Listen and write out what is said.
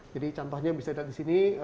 jadi contohnya bisa dilihat di sini